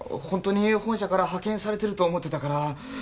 ホントに本社から派遣されてると思ってたから。